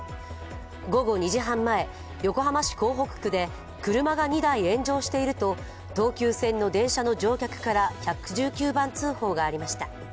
午後２時半前、横浜市港北区で車が２台炎上していると東急線の電車の乗客から１１９番通報がありました。